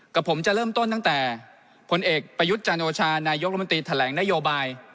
กับผมจะเริ่มต้นตั้งแต่ผลเอกประยุทธ์จันโอชานายกรมนตรีแถลงนโยบาย